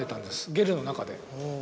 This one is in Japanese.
ゲルの中で。